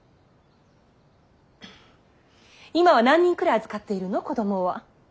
今は何人くらい預かっているの子供は。